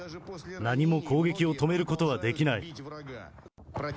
何も攻撃を止めることはできない。